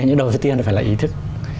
nhưng đầu tiên là phải là ý thức